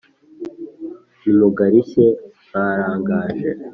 nimugarishye mwaraganje